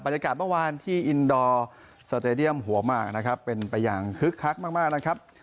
บรรยากาศเมื่อมาที่โอคิวอันด่อการเช็ดเทอร์เจียมหัวมากเป็นไปอย่างครึกครักมากนะครับ